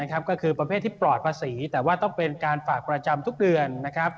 ก็คือประเภทที่ปลอดภาษีแต่ว่าต้องเป็นการฝากประจำทุกเดือนนะครับ